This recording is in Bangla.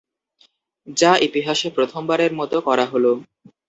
যা ইতিহাসে প্রথমবারের মত করা হলো।